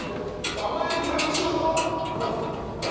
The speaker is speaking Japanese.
甘える対象は何ですか？